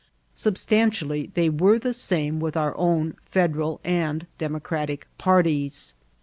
Substantially they were the same with our own Federal and Democratic parties.